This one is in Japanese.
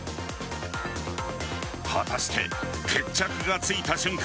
果たして、決着がついた瞬間